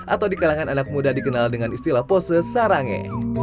atau di kalangan anak muda dikenal dengan istilah pose sarange